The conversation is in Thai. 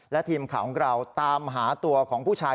และทีมข่าวของเราตามหาตัวของผู้ชาย